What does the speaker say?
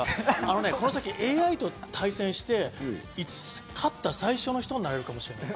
この先、ＡＩと対戦して、勝った最初の人になれるかもしれない。